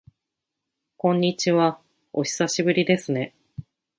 こんにちは、お久しぶりですね。